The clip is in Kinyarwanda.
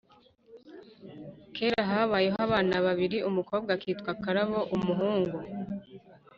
Kera habayeho abana babiri, umukobwa akitwa Karabo, umuhungu